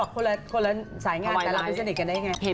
แล้วเราคนละสายงานแต่ละพิจารณีกันได้ยังไง